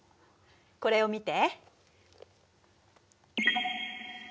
これを見て。